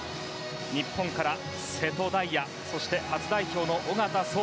日本から瀬戸大也そして、初代表の小方颯。